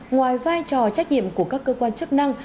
ngoài vai trò trách nhiệm của các cơ quan chức năng